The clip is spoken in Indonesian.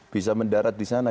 bisa mendarat disana